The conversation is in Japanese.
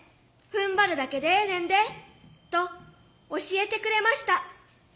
ふんばるだけでええねんで」と教えてくれました。